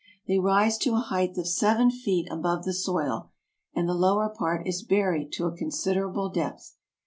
They rise to a height of seven feet above the soil, and the lower part is buried to a considerable depth.